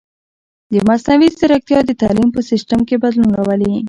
مصنوعي ځیرکتیا د تعلیم په سیستم کې بدلون راولي.